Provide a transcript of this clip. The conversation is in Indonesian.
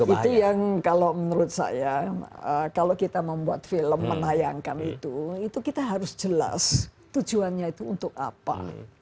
itu yang kalau menurut saya kalau kita membuat film menayangkan itu itu kita harus jelas tujuannya itu untuk apa